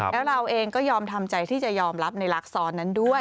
แล้วเราเองก็ยอมทำใจที่จะยอมรับในรักซ้อนนั้นด้วย